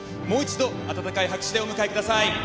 もう一度温かい拍手でお迎えください